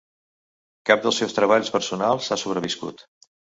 Cap dels seus treballs personals ha sobreviscut.